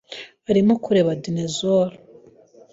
Arimo kureba dinosaurs.